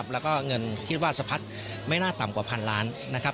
และก็เงินคิดว่าสะพัดไม่น่าต่ำกว่า๑๐๐๐ล้านบาท